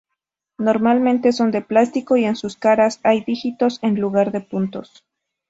Normalmente, son de plástico y en sus caras hay dígitos en lugar de puntos.